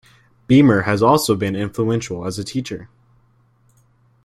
Beamer has also been influential as a teacher.